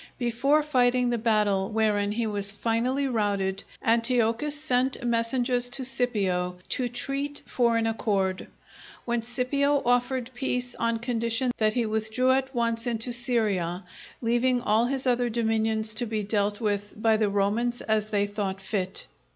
Before fighting the battle wherein he was finally routed, Antiochus sent messengers to Scipio to treat for an accord; when Scipio offered peace on condition that he withdrew at once into Syria, leaving all his other dominions to be dealt with by the Romans as they thought fit.